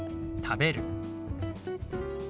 「食べる」。